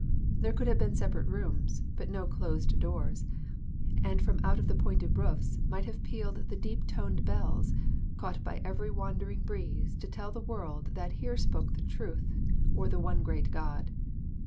There could have been separate rooms, but no closed doors, and from out the pointed roofs might have pealed the deep toned bells caught by every wandering breeze to tell the world that here spoke the Truth or the One Great God.